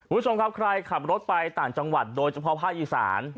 คุณผู้ชมครับใครขับรถไปต่างจังหวัดโดยเฉพาะภาคอีสาน